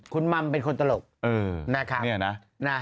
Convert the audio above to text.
คุณม่ำเป็นคนตลกเออนี่เหรอนะ